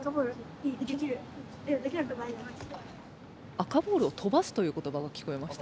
赤ボールを飛ばすという言葉が聞こえました。